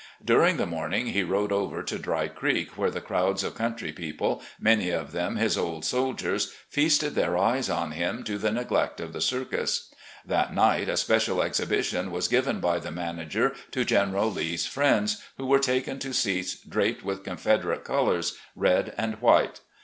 During the morning he rode over to "Dry Creek," where the crowds of country people, many of them his old soldiers, feasted their eyes on him to the neglect of the circus. That night a special exhibition was given by the manager to General Lee's friends, who were taken to seats draped with Confederate colors, red, and white.